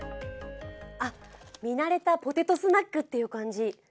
見慣れたポテトスナックって感じ。